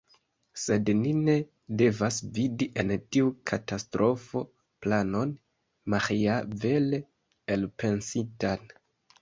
Sed ni ne devas vidi en tiu katastrofo planon maĥiavele elpensitan.